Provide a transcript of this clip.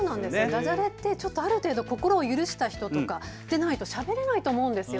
ダジャレってある程度、心を許した人とかでないとしゃべれないと思うんですよ。